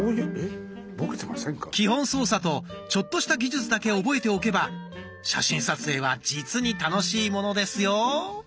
基本操作とちょっとした技術だけ覚えておけば写真撮影は実に楽しいものですよ。